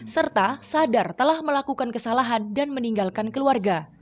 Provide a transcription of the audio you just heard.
serta sadar telah melakukan kesalahan dan meninggalkan keluarga